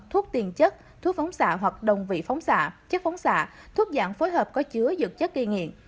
thuốc tiền chất thuốc phóng xạ hoặc đồng vị phóng xạ chất phóng xạ thuốc dạng phối hợp có chứa dược chất ghi nghiện